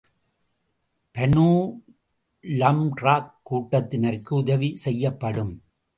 Banu லம்ராக் கூட்டத்தினருக்கு உதவி செய்யப்படும்.